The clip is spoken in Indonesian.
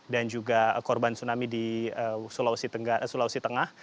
dan juga korban tsunami di sulawesi tengah